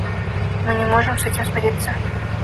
Мы не можем с этим смириться.